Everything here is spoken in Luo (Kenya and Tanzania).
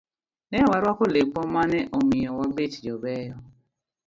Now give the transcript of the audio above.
Ne warwako lepwa ma ne omiyo wabet jobeyo